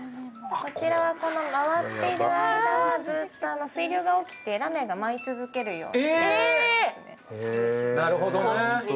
こちらは回っている間はずっと水流が起きて、ラメが回り続けるような。